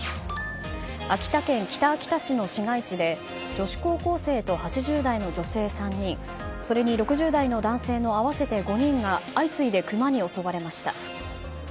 秋田県北秋田市の市街地で女子高校生と８０代の女性３人それに６０代の男性の合わせて５人が相次いでクマに襲われました。